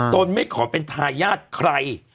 นไม่ขอเป็นทายาทใคร